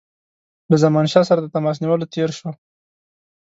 له زمانشاه سره د تماس نیولو تېر شو.